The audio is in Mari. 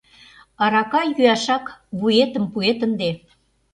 Арака йӱашак вуетым пуэт ынде...